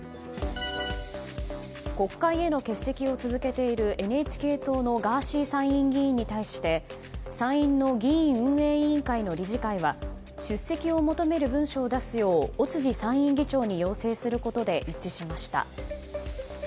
国会への欠席を続けているＮＨＫ党のガーシー参院議員に対して参院の議院運営委員会の理事会は出席を求める文書を出すよう尾辻参院議長に要請することで一致しました。